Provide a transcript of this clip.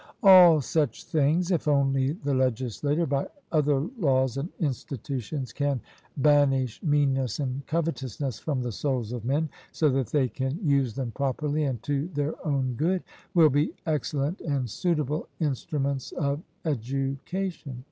All such things, if only the legislator, by other laws and institutions, can banish meanness and covetousness from the souls of men, so that they can use them properly and to their own good, will be excellent and suitable instruments of education.